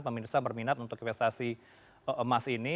pemirsa berminat untuk investasi emas ini